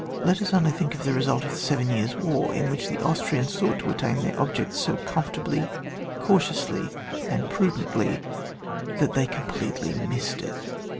Let us only think of the result of the Seven Years' War, in which the Austrians sought to attain their object so comfortably, cautiously, and prudently, that they completely missed it.